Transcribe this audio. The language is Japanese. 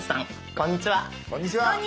こんにちは。